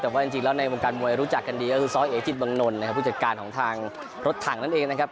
แต่ว่าจริงแล้วในวงการมวยรู้จักกันดีก็คือซ้อยเอกทิศบังนนทนะครับผู้จัดการของทางรถถังนั่นเองนะครับ